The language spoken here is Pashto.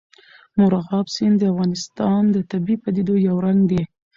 مورغاب سیند د افغانستان د طبیعي پدیدو یو رنګ دی.